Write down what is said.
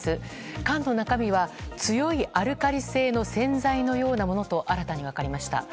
缶の中身は強いアルカリ性の洗剤のようなものと新たに分かりました。